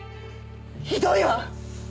ひどいわ！